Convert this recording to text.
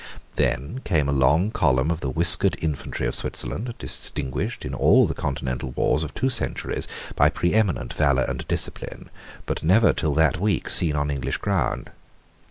Then came a long column of the whiskered infantry of Switzerland, distinguished in all the continental wars of two centuries by preeminent valour and discipline, but never till that week seen on English ground.